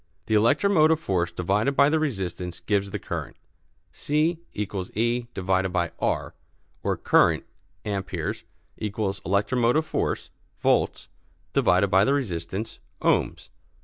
The electromotive force divided by the resistance gives the current. C = E/R or current (ampères) equals electromotive force (volts) divided by the resistance (ohms).